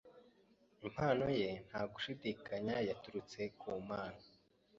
impano ye nta gushidikanya yaturutse ku Mana